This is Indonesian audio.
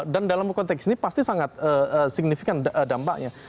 dan dalam konteks ini pasti sangat signifikan dampaknya